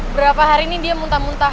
berapa hari ini dia muntah muntah